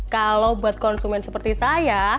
kalau buat konsumen seperti saya